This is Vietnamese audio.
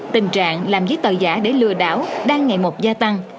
tình trạng làm giấy tờ giả để lừa đảo đang ngày một gia tăng